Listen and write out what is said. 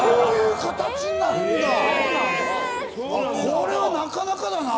これはなかなかだな！